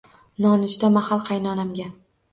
Nonushta mahal qaynonamga